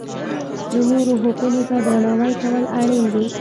د نورو حقونو ته درناوی کول اړین دي.